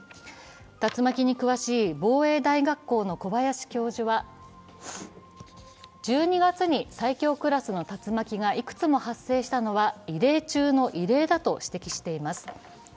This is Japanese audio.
竜巻に詳しい防衛大学校の小林教授は１２月に最強クラスの竜巻がいくつも発生したのは異例中の異例だと指摘しています。